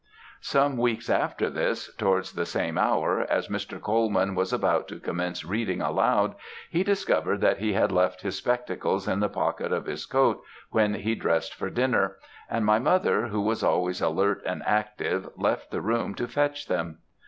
"Some weeks after this, towards the same hour, as Mr. Colman was about to commence reading aloud, he discovered that he had left his spectacles in the pocket of his coat, when he dressed for dinner; and my mother, who was always alert and active, left the room to fetch them.